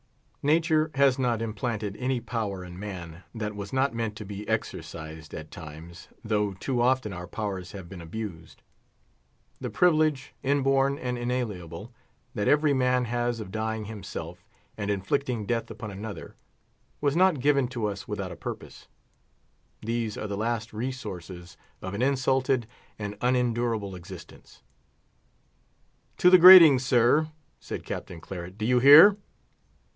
Nature has not implanted any power in man that was not meant to be exercised at times, though too often our powers have been abused. The privilege, inborn and inalienable, that every man has of dying himself, and inflicting death upon another, was not given to us without a purpose. These are the last resources of an insulted and unendurable existence. "To the gratings, sir!" said Captain Claret; "do you hear?"